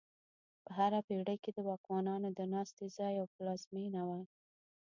په هره پېړۍ کې د واکمنانو د ناستې ځای او پلازمینه وه.